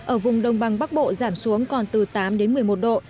ở vùng đông bằng bắc bộ giảm xuống còn từ tám đến một mươi một độ